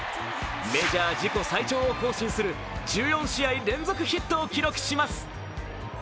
メジャー自己最長を更新する１４試合連続ヒットを記録します。